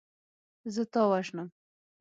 زه تا وژنم.